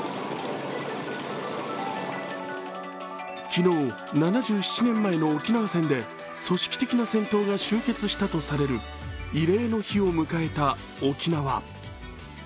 昨日、７７年前の沖縄戦で組織的な戦闘が終結したとされる慰霊の日を迎えた沖縄。